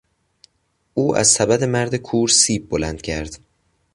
او از سبد مرد کور، سیب بلند کرد.